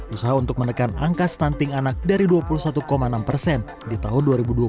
usaha untuk menekan angka stunting anak dari dua puluh satu enam persen di tahun dua ribu dua puluh satu